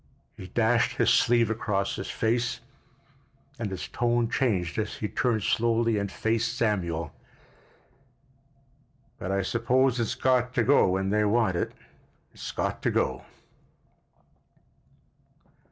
He dashed his sleeve across his face, and his tone changed as he turned slowly and faced Samuel. "But I suppose it's got to go when they want it—it's got to go."